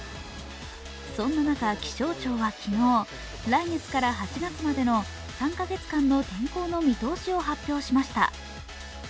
そんな中、気象庁は昨日来月から８月までの３カ月間の天候の見通しを発表しました。